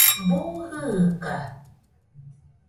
Bu jɨɨka